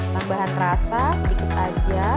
tambahan rasa sedikit aja